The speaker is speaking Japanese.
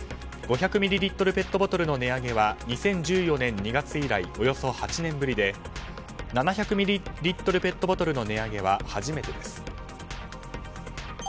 ５００ミリリットルペットボトルの値上げは２０１４年２月以来およそ８年ぶりで７００ミリリットルペットボトルの値上げは初めてです。